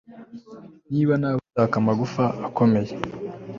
niba nawe ushaka amagufa akomeye